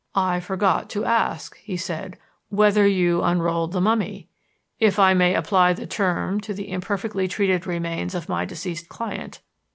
"I forgot to ask," he said, "whether you unrolled the mummy if I may apply the term to the imperfectly treated remains of my deceased client."